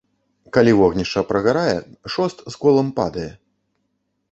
Калі вогнішча прагарае, шост з колам падае.